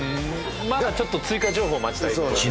まだちょっと追加情報待ちたいとこだね